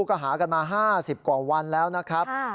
ก็หากันมา๕๐กว่าวันแล้วนะครับ